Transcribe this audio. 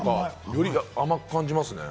甘く感じますね。